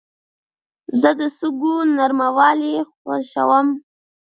زه د شګو نرموالي خوښوم.